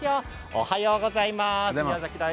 おはようございます。